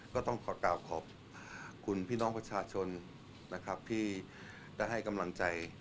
ก็ต้องขอกราบขอบคุณพี่น้องประชาชนนะครับที่ได้ให้กำลังใจ